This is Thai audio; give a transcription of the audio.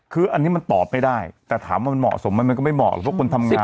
คืออันนี้มันตอบไม่ได้แต่ถามว่ามันเหมาะสมมันก็ไม่เหมาะ